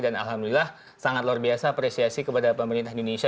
dan alhamdulillah sangat luar biasa apresiasi kepada pemerintah indonesia